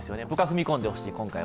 僕は踏み込んでほしいです。